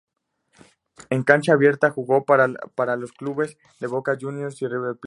En cancha abierta jugó para los clubes de Boca Juniors y River Plate.